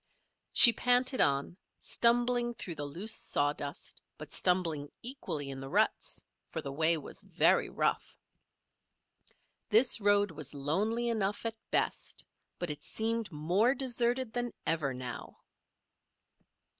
She panted on, stumbling through the loose sawdust, but stumbling equally in the ruts; for the way was very rough. This road was lonely enough at best; but it seemed more deserted than ever now.